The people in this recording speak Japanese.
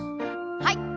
はい。